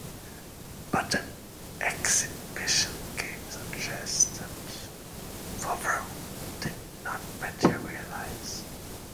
But an exhibition game suggested for Rome did not materialise.